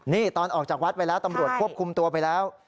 นี่ตอนออกจากวัดไปแล้วตำรวจควบคุมตัวไปแล้ว